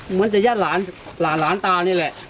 เหมือนจะยัดหลานได้แหละ